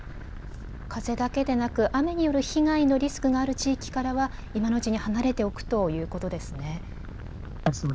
風だけでなく、雨による被害のリスクがある地域からは、今のうちに離れておくということですね。